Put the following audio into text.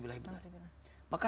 allah ya allah